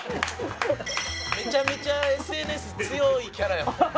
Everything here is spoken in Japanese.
めちゃめちゃＳＮＳ強いキャラやもんな。